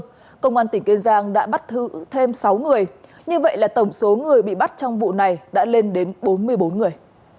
trước đó công an tỉnh kiên giang đã bắt thêm sáu người như vậy là tổng số người bị bắt trong vụ này đã lên đến bốn mươi bốn người